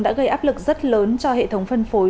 đã gây áp lực rất lớn cho hệ thống phân phối